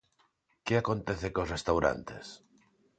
Que acontece cos restaurantes?